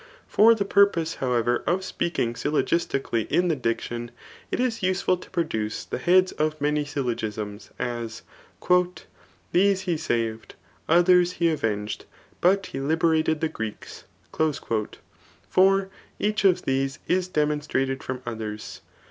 For the purpose however of speaking syllogisticalty in the diction, it is useful to produce the heads of many syllogisms, as, These he saved, others he avenged, but he liberated the Greeks." For each of these is demoD strated from others.